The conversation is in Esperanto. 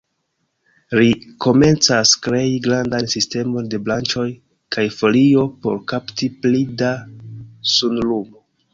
Ri komencas krei grandan sistemon de branĉoj kaj folio, por kapti pli da sunlumo.